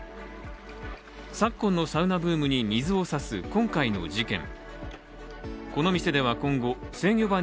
昨今のサウナブームに水を差す今回の事件。